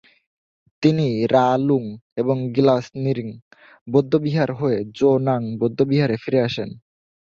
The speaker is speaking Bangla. তিনি রা-লুং এবং গ্নাস-র্ন্যিং বৌদ্ধবিহার হয়ে জো-নাং বৌদ্ধবিহারে ফিরে আসেন।